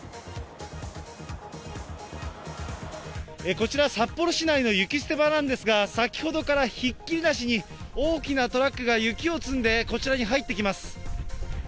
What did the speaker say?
こちら、札幌市内の雪捨て場なんですが、先ほどからひっきりなしに大きなトラックが雪を積んで、こちらに入ってきます。